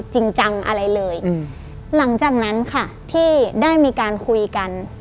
จริงจังอะไรเลยอืมหลังจากนั้นค่ะที่ได้มีการคุยกัน